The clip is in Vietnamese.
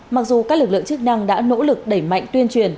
mặc dù các lực lượng chức năng đã nỗ lực đẩy mạnh tuyên truyền